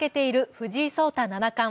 藤井聡太七冠。